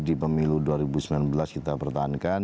di pemilu dua ribu sembilan belas kita pertahankan